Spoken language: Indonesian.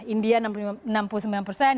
india enam puluh sembilan persen